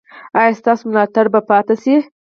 ایا ستاسو ملاتړ به پاتې شي؟